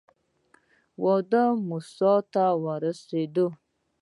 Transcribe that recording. وادي موسی ته ورسېدو.